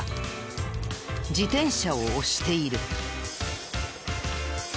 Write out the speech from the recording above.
自転車を押している。